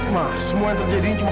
barangan itu gini saja